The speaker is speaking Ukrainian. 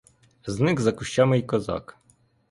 Зник за кущами й козак.